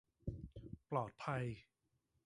ปลอดภัย